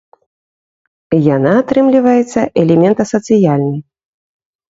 Яна, атрымліваецца, элемент асацыяльны.